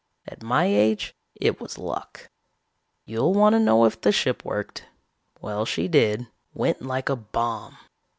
At my age it was luck. "You'll want to know if the ship worked. Well, she did. Went like a bomb.